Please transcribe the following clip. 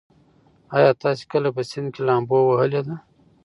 ایا تاسي کله په سیند کې لامبو وهلې ده؟